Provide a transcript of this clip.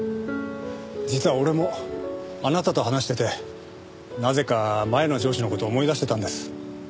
実は俺もあなたと話しててなぜか前の上司の事を思い出してたんです。